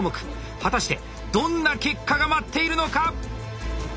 果たしてどんな結果が待っているのか！